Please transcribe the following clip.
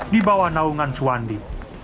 di bawah naungan suandi